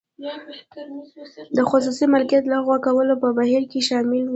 د خصوصي مالکیت لغوه کول په بهیر کې شامل و.